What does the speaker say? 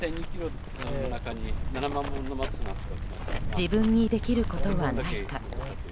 自分にできることはないか。